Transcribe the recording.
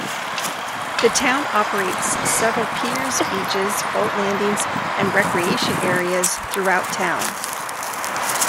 The town operates several piers, beaches, boat landings and recreation areas throughout town.